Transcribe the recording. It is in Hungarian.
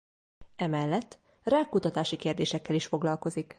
Emellett rákkutatási kérdésekkel is foglalkozik.